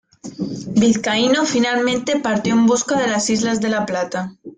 Vizcaíno finalmente partió en busca de la Isla de la Plata.